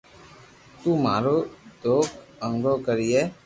تو او مارو دوک ارگا ڪرئي